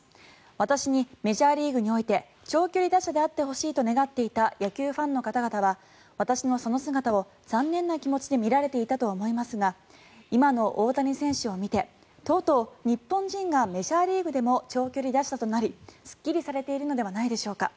私にメジャーリーグにおいて長距離打者であってほしいと願っていた野球ファンの方々は私のその姿を残念な気持ちで見られていたと思いますが今の大谷選手を見てとうとう日本人がメジャーリーグでも長距離打者となりすっきりされているのではないでしょうか。